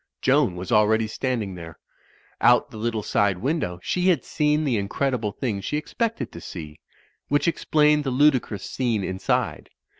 Joan was already standing there. Out the little side window she had seen the incredible thing she ex pected to see; which explained the ludicrous scene in side.